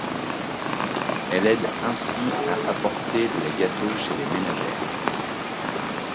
Elle aide ainsi à apporter les gâteaux chez les ménagères.